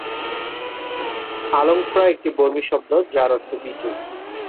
আলং-ফ্রা একটি বর্মী শব্দ যার অর্থ "বিজয়ী"।